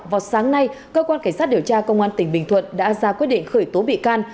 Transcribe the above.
vào sáng nay cơ quan cảnh sát điều tra công an tỉnh bình thuận đã ra quyết định khởi tố bị can